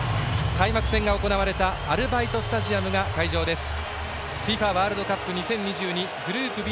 開幕戦が行われたアルバイトスタジアムが会場です。